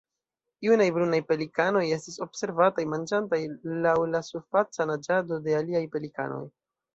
Junaj brunaj pelikanoj estis observataj manĝantaj laŭ la surfaca naĝado de aliaj pelikanoj.